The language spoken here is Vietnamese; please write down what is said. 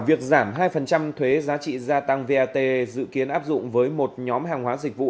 việc giảm hai thuế giá trị gia tăng vat dự kiến áp dụng với một nhóm hàng hóa dịch vụ